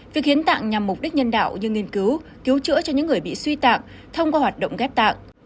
việc hiến tạng nhằm mục đích nhân đạo như nghiên cứu cứu chữa cho những người bị suy tạng thông qua hoạt động ghép tạng